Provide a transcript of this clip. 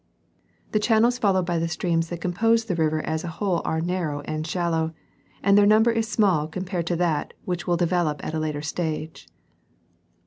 The channels followed by the streams that compose the river as a whole are narrow and shallow, and their number is small compared to that which will be developed at a later stage.